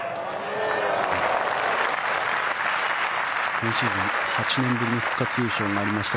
今シーズン８年ぶりの復活優勝がありました